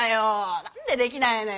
何でできないのよ。